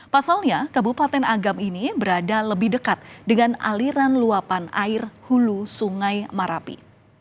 pasalnya kabupaten agam ini berada lebih dekat dengan aliran luapan air hulu sungai marapi